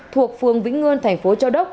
thuộc phương vĩnh ngơn thành phố châu đốc